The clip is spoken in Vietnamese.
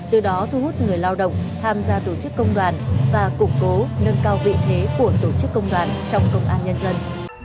từ đó thu hút người lao động tham gia tổ chức công đoàn và củng cố nâng cao vị thế của tổ chức công đoàn trong công an nhân dân